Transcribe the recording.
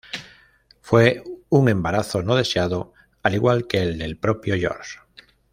Fue un embarazo no deseado, al igual que el del propio Georg.